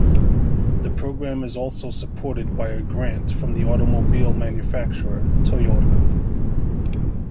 The program is also supported by a grant from the automobile manufacturer, Toyota.